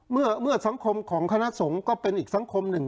เมื่อสังคมของคณะสงฆ์ก็เป็นอีกสังคมหนึ่ง